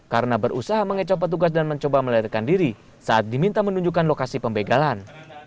karena berusaha mengecoh petugas dan mencoba melihatkan diri saat diminta menunjukkan lokasi pembegalan